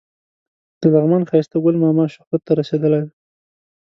د لغمان ښایسته ګل ماما شهرت ته رسېدلی دی.